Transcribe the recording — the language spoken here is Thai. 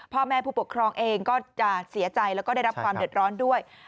พ่อแม่ผู้ปกครองเองก็จะเสียใจแล้วก็ได้รับความเดือดร้อนด้วย